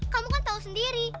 kamu kan tahu sendiri